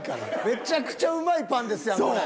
めちゃくちゃうまいパンですやんこれ。